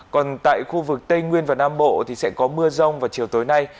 còn tại khu vực tây nguyên và nam bộ thì sẽ có mưa rông vào chiều tối nay